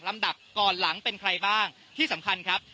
ดับก่อนหลังเป็นใครบ้างที่สำคัญครับ